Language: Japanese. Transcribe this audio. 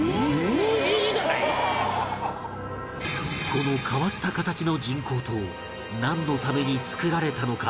この変わった形の人工島なんのために作られたのか？